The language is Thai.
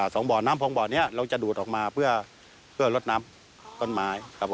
สองบ่อน้ำพองบ่อนี้เราจะดูดออกมาเพื่อลดน้ำต้นไม้ครับผม